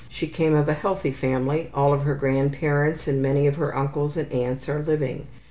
She came of a healthy family; all of her grandparents and many of her uncles and aunts are living.